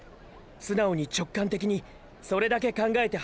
素直に直観的にそれだけ考えて走ればいい。